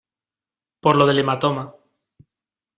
por lo del hematoma.